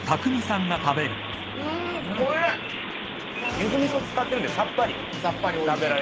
ゆず味噌使ってるんでさっぱり食べられる。